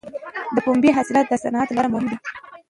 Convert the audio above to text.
د پنبې حاصلات د صنعت لپاره مهم دي.